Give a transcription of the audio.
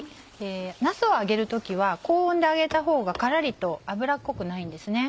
なすを揚げる時は高温で揚げたほうがカラリと油っこくないんです。